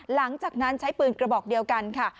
หลังจากนั้นใช้ปืนกระบอกเดียวกันค่ะ